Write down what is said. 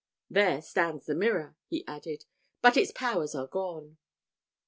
There stands the mirror," he added, "but its powers are gone."